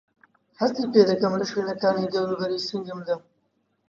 هەستی پێدەکەم له شوێنەکانی دەورووبەری سنگمدا؟